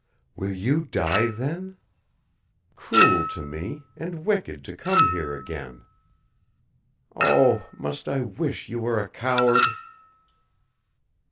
"Will you die, then? Cruel to me, and wicked to come here again! Oh, must I wish you were a coward!"